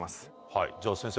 はいじゃあ先生